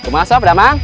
mas om udah emang